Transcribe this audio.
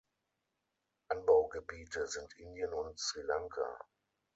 Anbaugebiete sind Indien und Sri Lanka.